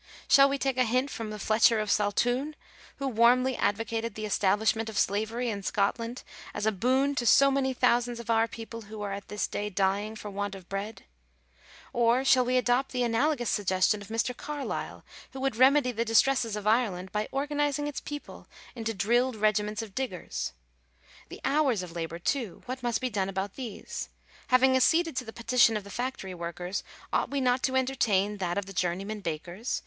Shall we take a hint from Fletcher of Saltoun, who warmly advocated the establishment of slavery in Scotland as a boon to " so many thousands of our people who are at this day dying for want of bread "? or shall we adopt the analagous suggestion of Mr. Carlyle, who would remedy the distresses of Ireland by organizing its people into drilled regiments of diggers? The hours of labour too — what must be done about these? Having acceded to the petition of the factory workers, ought we not to entertain that of the journeymen bakers